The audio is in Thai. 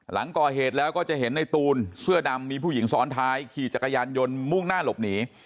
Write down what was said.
หลังก่อเหตุแล้วก็จะเห็นในตูนเสื้อดำมีผู้หญิงซ้อนท้ายขี่จักรยานยนต์มุ่งหน้าหลบหนี